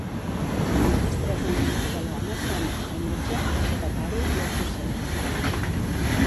Els tres enemics de l'home són: el metge, l'apotecari i el fosser.